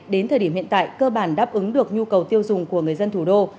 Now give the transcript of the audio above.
đến thời điểm hiện tại cơ bản đáp ứng được nhu cầu tiêu dùng của người dân thủ đô